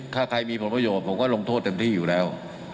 ถ้าใครมีผลประโยชน์ผมก็ลงโทษเต็มที่อยู่แล้ว